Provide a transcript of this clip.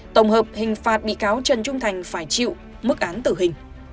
tổng hợp hình phạt bị cáo trần trung thành phải chịu mức án tử hình